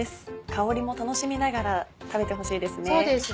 香りも楽しみながら食べてほしいですね。